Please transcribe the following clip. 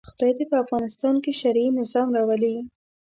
خدای دې په افغانستان کې شرعي نظام راولي.